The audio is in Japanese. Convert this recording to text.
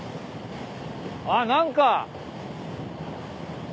あっ何か。